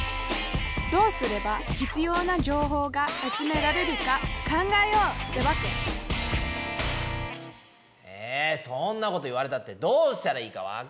どうすれば必要な情報が集められるか考えようってわけえそんなこと言われたってどうしたらいいかわかんないよ！